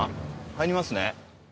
入りますね。